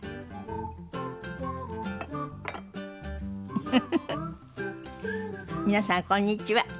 フフフフ皆さんこんにちは。